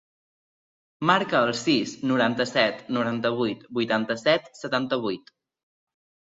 Marca el sis, noranta-set, noranta-vuit, vuitanta-set, setanta-vuit.